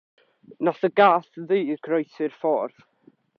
Nath y gath ddu groesi'r ffordd.